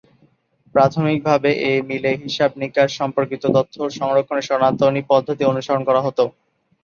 প্রাথমিকভাবে এ মিলে হিসাবনিকাশ সম্পর্কিত তথ্য সংরক্ষণে সনাতনী পদ্ধতি অনুসরণ করা হতো।